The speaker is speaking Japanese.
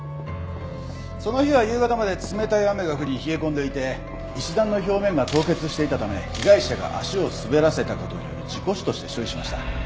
その日は夕方まで冷たい雨が降り冷え込んでいて石段の表面が凍結していたため被害者が足を滑らせた事による事故死として処理しました。